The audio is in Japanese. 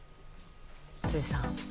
辻さん。